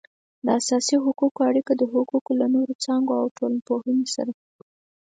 د اساسي حقوقو اړیکه د حقوقو له نورو څانګو او ټولنپوهنې سره